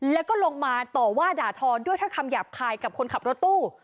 แล้วก็ลงมาต่อว่าด่าทอด้วยถ้าคำหยาบคายกับคนขับรถตู้